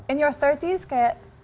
in your tiga puluh 's kayak